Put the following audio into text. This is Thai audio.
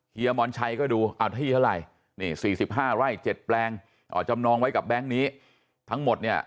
เฮียมอนชัยก็ดูเอาที่เท่าไหร่นี่๔๕ไร่๗แปลงจำนองไว้กับแบงค์นี้ทั้งหมดเนี่ย